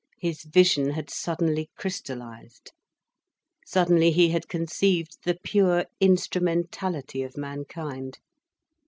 His vision had suddenly crystallised. Suddenly he had conceived the pure instrumentality of mankind.